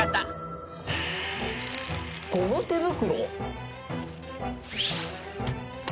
ゴム手袋？